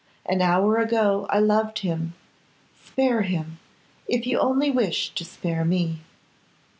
An hour ago I loved him. Spare him, if you only wish to spare me.